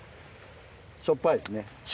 しょっぱいですね。